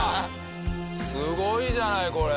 すごいじゃないこれ！